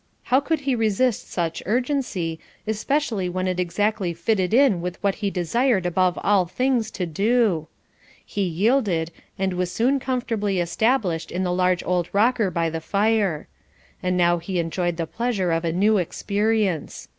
How could he resist such urgency, especially when it exactly fitted in with what he desired above all things to do. He yielded, and was soon comfortably established in the large old rocker by the fire. And now he enjoyed the pleasure of a new experience.